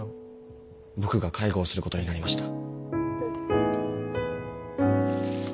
僕が介護をすることになりました。